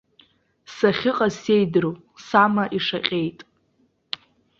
Сахьыҟаз сеидру, сама ишаҟьеит.